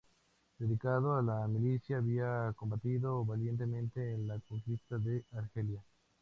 Dedicado a la milicia había combatido valientemente en la conquista de Argelia.